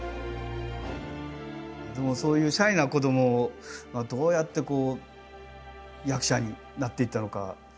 でもそういうシャイな子どもがどうやって役者になっていったのか。